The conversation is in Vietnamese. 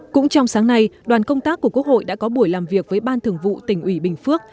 cũng trong sáng nay đoàn công tác của quốc hội đã có buổi làm việc với ban thường vụ tỉnh ủy bình phước